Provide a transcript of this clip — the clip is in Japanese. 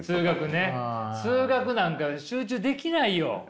数学なんか集中できないよ。